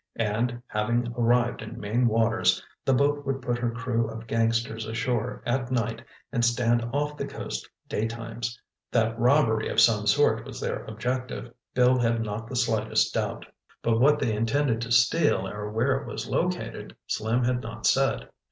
And, having arrived in Maine waters, the boat would put her crew of gangsters ashore at night and stand off the coast day times. That robbery of some sort was their objective, Bill had not the slightest doubt. But what they intended to steal or where it was located, Slim had not said.